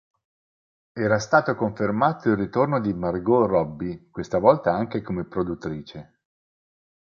Era stato confermato il ritorno di Margot Robbie, questa volta anche come produttrice.